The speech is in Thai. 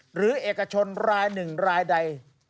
หรือเอกชนรายหนึ่งรายใด